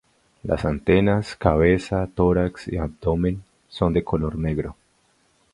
Las antenas, cabeza, tórax y abdomen son de color negro.